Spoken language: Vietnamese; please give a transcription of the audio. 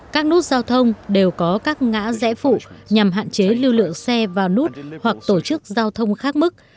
các nút giao thông đều có các ngã rẽ phụ nhằm hạn chế lưu lượng xe vào nút hoặc tổ chức giao thông khác mức